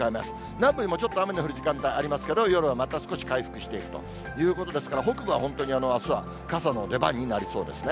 南部にもちょっと雨の降る時間帯ありますけど、夜はまた少し回復していくということですから、北部は本当にあすは傘の出番になりそうですね。